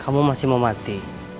kamu masih mau mati